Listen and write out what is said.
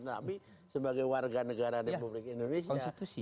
tapi sebagai warga negara republik indonesia